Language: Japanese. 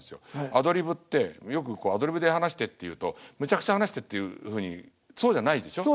アドリブってよくこうアドリブで話してって言うとめちゃくちゃ話してっていうふうにそうじゃないでしょ？